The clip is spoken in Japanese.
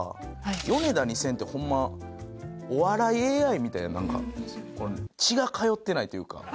ヨネダ２０００ってホンマお笑いＡＩみたいな血が通ってないというか。